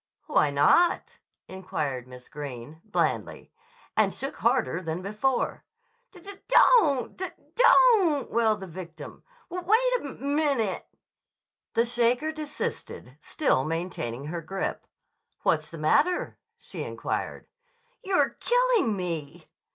"Why not?" inquired Miss Greene blandly, and shook harder than before. "D d d dud dud don't" wailed the victim. "W w wait a m m m minute!" The shaker desisted, still maintaining her grip. "What's the matter?" she inquired. "You're killing me!"